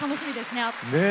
ねえ。